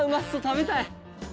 食べたい！」